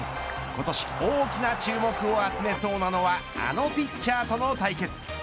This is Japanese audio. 今年大きな注目を集めそうなのはあのピッチャーとの対決